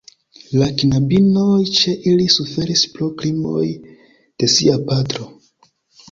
La knabinoj ĉe ili suferis pro krimoj de sia patro.